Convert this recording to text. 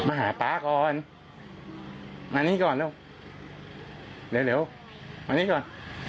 มาหาป๊าก่อนมานี่ก่อนเร็วเร็วเร็วมานี่ก่อน